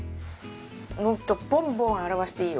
もっとボンボン表していいよ。